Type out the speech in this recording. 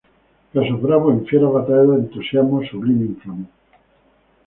Que a sus bravos en fieras batallas de entusiasmo sublime inflamó.